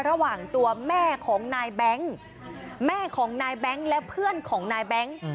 ระหว่างตัวแม่ของนายแบงค์แม่ของนายแบงค์และเพื่อนของนายแบงค์